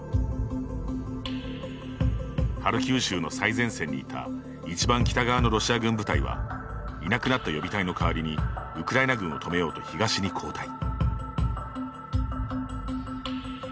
ハルキウ州の最前線にいた一番北側のロシア軍部隊はいなくなった予備隊の代わりにウクライナ軍を止めようと東に後退。